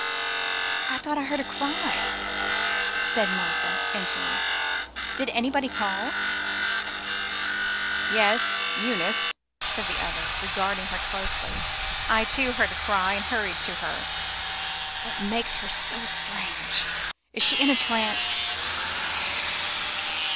"I thought I heard a cry," said Martha, entering. "Did anybody call?" "Yes, Eunice," said the other, regarding her closely. "I, too, heard the cry, and hurried to her. What makes her so strange? Is she in a trance?"